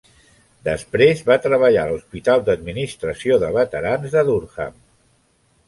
Després va treballar a l'Hospital d'Administració de Veterans de Durham.